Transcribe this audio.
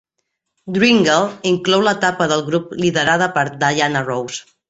"Dreamgirl" inclou l'etapa del grup liderada per Diana Ross.